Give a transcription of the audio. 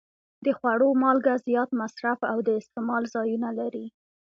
د خوړو مالګه زیات مصرف او د استعمال ځایونه لري.